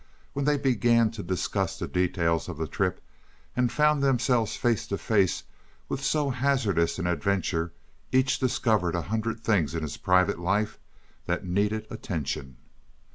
When they began to discuss the details of the trip, and found themselves face to face with so hazardous an adventure, each discovered a hundred things in his private life that needed attention.